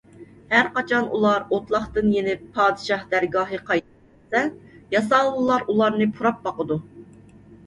ھەرقاچان ئۇلار ئوتلاقتىن يېنىپ پادىشاھ دەرگاھىغا قايتىپ كەلسە، ياساۋۇللار ئۇلارنى پۇراپ باقىدۇ.